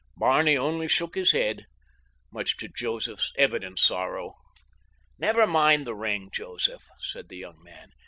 Barney only shook his head, much to Joseph's evident sorrow. "Never mind the ring, Joseph," said the young man.